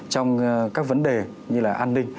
trong các vấn đề như là an ninh